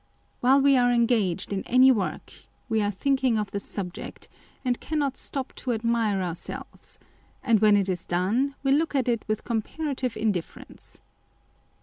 While we are engaged in any work, we are thinking of the subject, and cannot stop to admire our selves ; and when it is done, we look at it with comparative indifference.